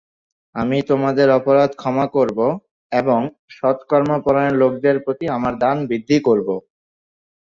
আমি তোমাদের অপরাধ ক্ষমা করব এবং সৎকর্মপরায়ণ লোকদের প্রতি আমার দান বৃদ্ধি করব।